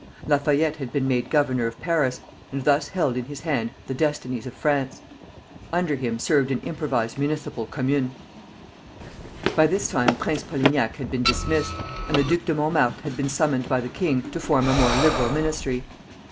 Lafayette had been made governor of Paris, and thus held in his hand the destinies of France. Under him served an improvised municipal commune. By this time Prince Polignac had been dismissed, and the Duc de Montemart had been summoned by the king to form a more liberal ministry.